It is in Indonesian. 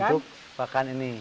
untuk makan ini